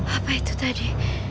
apa itu tadi